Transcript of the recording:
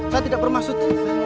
saya tidak bermaksud